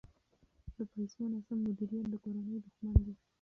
د پیسو ناسم مدیریت د کورنۍ دښمن دی.